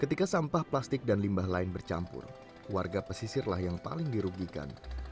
ketika sampah plastik dan limbah lain bercampur warga pesisirlah yang paling dirugikan